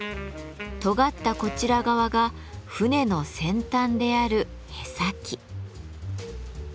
とがったこちら側が船の先端である舳先。